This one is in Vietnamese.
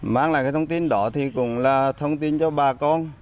mang lại cái thông tin đó thì cũng là thông tin cho bà con